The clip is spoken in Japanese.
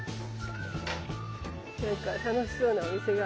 なんか楽しそうなお店が。